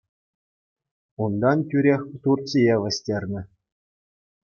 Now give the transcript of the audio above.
Унтан тӳрех Турцие вӗҫтернӗ.